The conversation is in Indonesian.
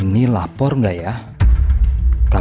terusge masih jadi